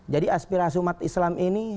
jadi aspirasi umat islam ini